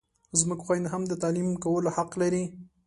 زموږ خویندې هم د تعلیم کولو حق لري!